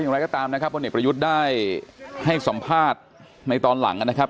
อย่างไรก็ตามนะครับพลเอกประยุทธ์ได้ให้สัมภาษณ์ในตอนหลังนะครับ